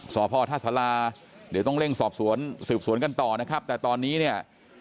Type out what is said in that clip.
สพท่าสาราเดี๋ยวต้องเร่งสอบสวนสืบสวนกันต่อนะครับแต่ตอนนี้เนี่ย